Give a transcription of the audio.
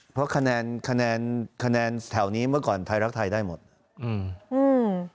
เพราะคะแนนคะแนนคะแนนแถวนี้เมื่อก่อนไทยรักไทยได้หมดอืมอืม